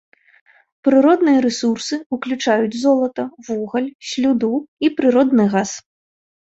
Прыродныя рэсурсы ўключаюць золата, вугаль, слюду і прыродны газ.